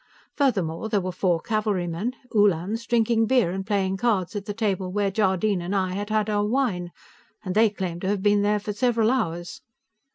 Furthermore, there were four cavalrymen, Uhlans, drinking beer and playing cards at the table where Jardine and I had had our wine, and they claimed to have been there for several hours.